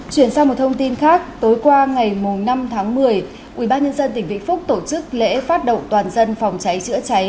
chuyển sang một thông tin khác tối qua ngày năm một mươi ubnd tp tổ chức lễ phát động toàn dân phòng cháy chữa cháy